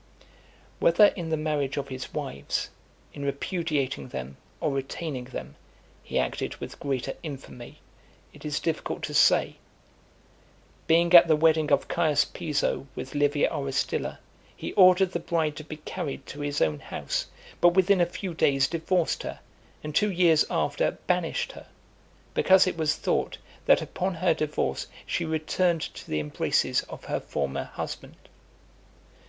XXV. Whether in the marriage of his wives, in repudiating them, or retaining them, he acted with greater infamy, it is difficult to say. Being at the wedding of Caius Piso with Livia Orestilla, he ordered the bride to be carried to his own house, but within a few days divorced her, and two years after banished her; because it was thought, that upon her divorce she returned to the embraces of her former husband.